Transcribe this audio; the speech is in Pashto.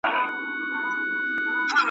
ويل مه كوه پوښتنه د وگړو !.